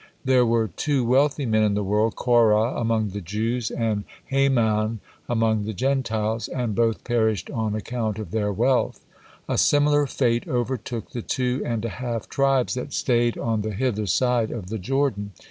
There were two wealthy men in the world, Korah among the Jews, and Haman among the Gentiles, and both perished on account of their wealth. A similar fate overtook the two and a half tribes that stayed on the hither side of the Jordan.